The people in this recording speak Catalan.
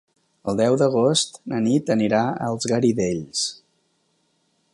El deu d'agost na Nit anirà als Garidells.